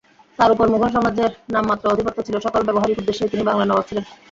তার উপর মুঘল সাম্রাজ্যের নামমাত্র আধিপত্য ছিল, সকল ব্যবহারিক উদ্দেশ্যেই তিনি বাংলার নবাব ছিলেন।